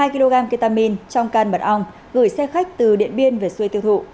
hai kg ketamine trong can mật ong gửi xe khách từ điện biên về xuôi tiêu thụ